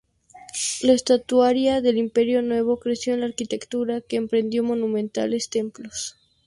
La estatuaria del Imperio Nuevo creció con la arquitectura, que emprendió monumentales templos.